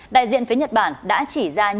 đại diện phía nhật bản đã chỉ ra nhiều